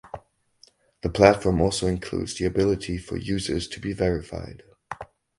The platform also includes the ability for users to be verified.